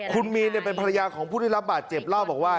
คุณมีนเป็นภรรยาของผู้ได้รับบาดเจ็บเล่าบอกว่า